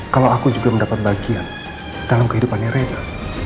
kalau aku juga mendapat bagian dalam kehidupannya reza